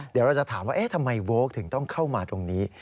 เดี๋ยวเราจะถามว่าเอ๊ะทำไมโว๊คถึงต้องเข้ามาตรงนี้